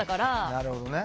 なるほどね。